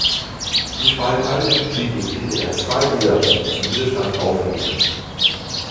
Im Schmalkaldischen Kriege dichtete er zwei Lieder, die zum Widerstand aufriefen.